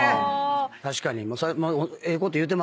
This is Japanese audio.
確かに。